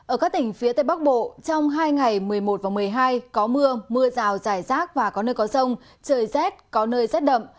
ở các tỉnh phía tây bắc bộ trong hai ngày một mươi một và một mươi hai có mưa mưa rào rải rác và có nơi có rông trời rét có nơi rét đậm